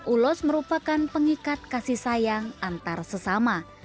ulos merupakan pengikat kasih sayang antar sesama